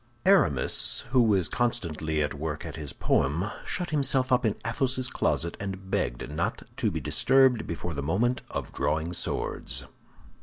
Aramis, who was constantly at work at his poem, shut himself up in Athos's closet, and begged not to be disturbed before the moment of drawing swords.